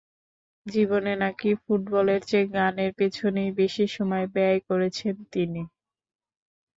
জীবনে নাকি ফুটবলের চেয়ে গানের পেছনেই বেশি সময় ব্যয় করেছেন তিনি।